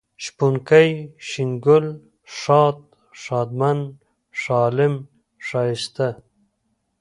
شپونکی ، شين گل ، ښاد ، ښادمن ، ښالم ، ښايسته